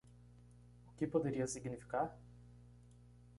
O que poderia significar?